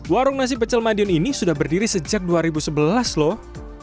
warung nasi pecel madiun ini sudah berdiri sejak dua ribu sebelas loh